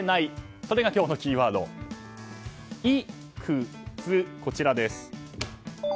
それが今日のキーワードイクツ、こちらです。